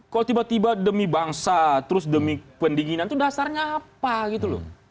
kalau tiba tiba demi bangsa terus demi pendinginan itu dasarnya apa gitu loh